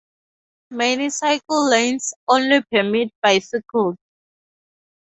Many cycle lanes only permit bicycles.